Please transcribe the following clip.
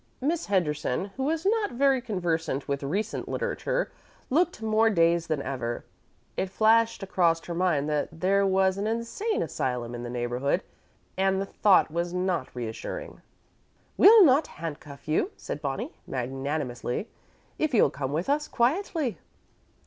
Miss Henderson, who was not very conversant with recent literature, looked more dazed than ever. It flashed across her mind that there was an insane asylum in the neighborhood, and the thought was not reassuring. "We'll not handcuff you," said Bonnie, magnanimously, "if you'll come with us quietly."